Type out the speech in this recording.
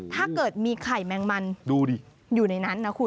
ถ้าเกิดมีไข่แมงมันดูดิอยู่ในนั้นนะคุณ